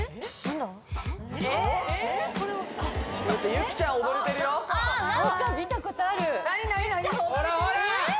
ゆきちゃん踊れてるよ何か見たことあるほらほら